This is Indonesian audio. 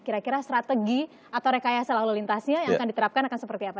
kira kira strategi atau rekayasa lalu lintasnya yang akan diterapkan akan seperti apa